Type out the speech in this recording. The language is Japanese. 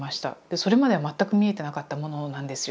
それまでは全く見えてなかったものなんですよ。